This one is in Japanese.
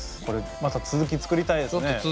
これまた続き作りたいですね。